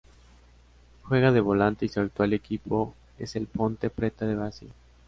Juega de volante y su actual equipo es el Ponte Preta de Brasil.